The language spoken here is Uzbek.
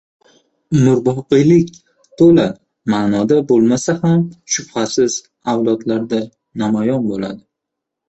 Umrboqiylik, to‘la ma’noda bo‘lmasa ham, shubhasiz, avlodlarda namoyon bo‘ladi.